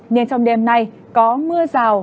nhưng trong đêm nay có mưa rào